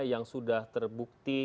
yang sudah terbukti